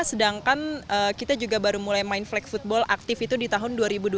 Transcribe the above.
sedangkan kita juga baru mulai main flag football aktif itu di tahun dua ribu dua puluh